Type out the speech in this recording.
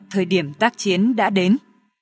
thời điểm tác chiến đã đến